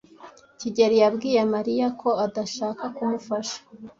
kigeli yabwiye Mariya ko adashaka kumufasha.